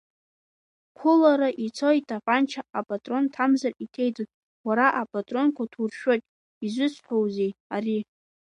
Қәылара ицо итапанча апатрон ҭамзар иҭеиҵоит, уара апатронқәа ҭуршәшәоит, изызҳәоузеи ари?